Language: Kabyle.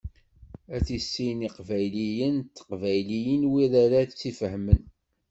Ad tissin iqbayliyen d teqbayliyin wid ara tt-ifehmen.